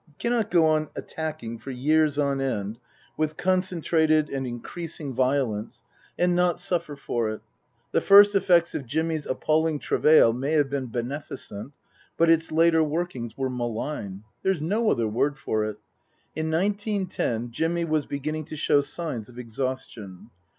You cannot go on attacking, for years on end, with concentrated and increasing violence, and not suffer for Book II : Her Book 171 it. The first effects of Jimmy's appalling travail may have been beneficent, but its later workings were malign. There's no other word for it. In nineteen ten Jimmy was beginning to show signs of exhaustion.